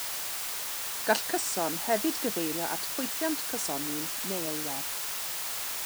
Gall cyson hefyd gyfeirio at ffwythiant cysonyn, neu ei werth.